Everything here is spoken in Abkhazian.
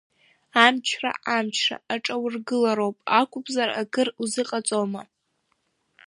Амчра амчра аҿаургылароуп, акәымзар акыр узыҟаҵома!